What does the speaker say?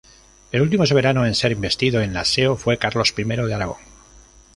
El último soberano en ser investido en la Seo fue Carlos I de Aragón.